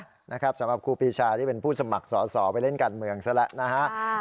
สำหรับครูปีชาที่เป็นผู้สมัครสอสอไปเล่นการเมืองซะแล้วนะฮะ